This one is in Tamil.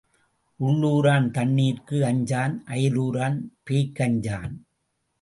உள்ளூரான் தண்ணீர்க்கு அஞ்சான் அயலூரான் பேய்க்கு அஞ்சான்.